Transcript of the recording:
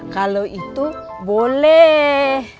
kalau itu boleh